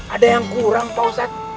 ada yang kurang pak ustadz